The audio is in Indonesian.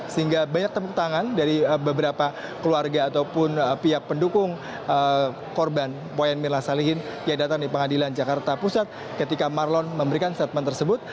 sehingga banyak tepuk tangan dari beberapa keluarga ataupun pihak pendukung korban boyan mirna salihin yang datang di pengadilan jakarta pusat ketika marlon memberikan statement tersebut